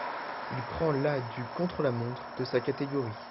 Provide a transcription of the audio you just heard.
Il prend la du contre-la-montre de sa catégorie.